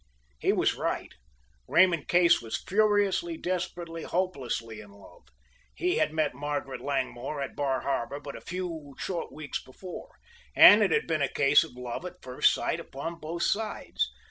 He was right, Raymond Case was furiously, desperately, hopelessly in love. He had met Margaret Langmore at Bar Harbor but a few short weeks before, and it had been a case of love at first sight upon both sides.